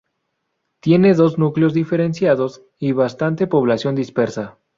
Tiene dos núcleos diferenciados y bastante población dispersa.